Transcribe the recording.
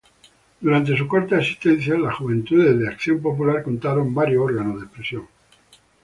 Durante su corta existencia las Juventudes de Acción Popular contaron varias órganos de expresión.